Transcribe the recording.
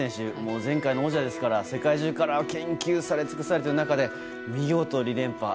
前回の王者ですから世界中から研究されつくされている中で見事２連覇